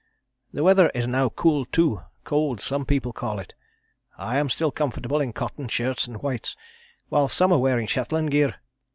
The weather is now cool too cold, some people call it. I am still comfortable in cotton shirts and whites, while some are wearing Shetland gear.